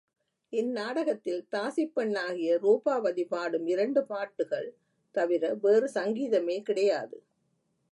இந்நாடகத்தில் தாசிப் பெண்ணாகிய ரூபாவதி பாடும் இரண்டு பாட்டுகள் தவிர வேறு சங்கீதமே கிடையாது.